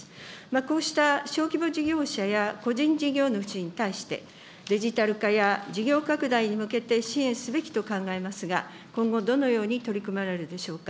こうした小規模事業者や個人事業主に対して、デジタル化や事業拡大に向けて支援すべきと考えますが、今後、どのように取り組まれるでしょうか。